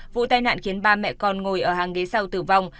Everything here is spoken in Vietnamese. vụ tai nạn khiến ba mẹ con ngồi ở hàng ghế sau tử vong